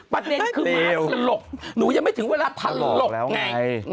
ประเทศคือหมอสลบหนูยังไม่ถึงเวลาพลลกไง